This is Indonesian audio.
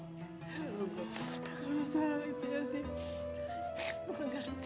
ntar kalau jatuh sakit